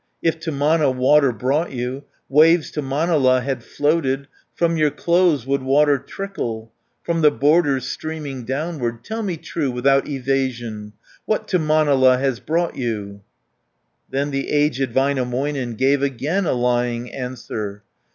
If to Mana water brought you, Waves to Manala had floated, 220 From your clothes would water trickle, From the borders streaming downward. Tell me true, without evasion, What to Manala has brought you?" Then the aged Väinämöinen, Gave again a lying answer.